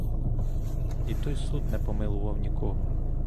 І той суд не помилував нікого.